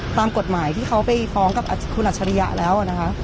ตามกฏหมายที่เขาฟ้องเขากับคุณอัชริยะแล้ว